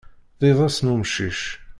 D iḍes n umcic.